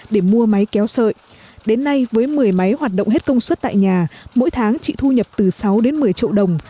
để mua máy kéo sợi đến nay với một mươi máy hoạt động hết công suất tại nhà mỗi tháng chị thu nhập từ sáu đến một mươi triệu đồng